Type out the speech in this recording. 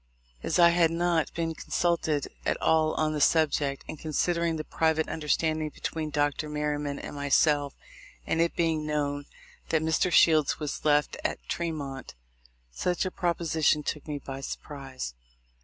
As I had not been consulted at all on the subject, and con sidering the private understanding between Dr. IVlerryman and myself, and it being known that Mr. Shields was left at Tremont, such a proposition took me by surprise.